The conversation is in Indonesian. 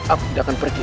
aku tidak akan pergi